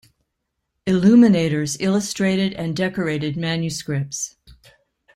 Illuminators illustrated and decorated manuscripts.